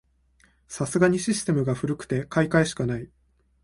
さすがにシステムが古くて買い替えしかない